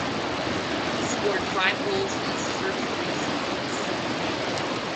He scored five goals in his first three seasons.